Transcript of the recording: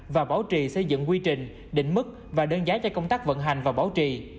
và bảo trì xây dựng quy trình định mức và đơn giá cho công tác vận hành và bảo trì